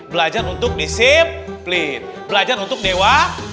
belajar untuk disiplin belajar untuk dewa